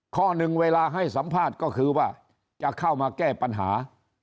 ข้อหนึ่งเวลาให้สัมภาษณ์ก็คือว่าจะเข้ามาแก้ปัญหา